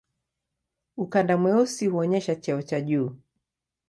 Ukanda mweusi huonyesha cheo cha juu.